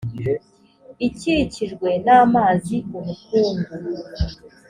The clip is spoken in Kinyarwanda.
ikikijwe n amazi ubukungu